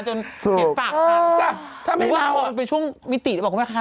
จนเห็นปากค่ะหรือว่าเป็นช่วงมิติบอกคุณแม่ค่ะ